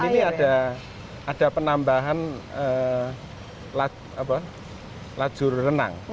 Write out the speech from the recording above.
dan ini ada penambahan lajur renang